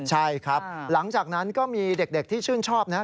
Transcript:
ใช่ครับหลังจากนั้นก็มีเด็กที่ชื่นชอบนะครับ